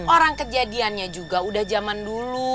orang kejadiannya juga udah zaman dulu